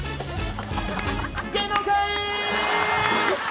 芸能界！